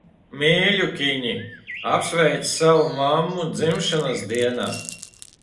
Mīļukiņi apsveic savu mammu dzimšanas dienā.